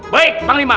baik orang lima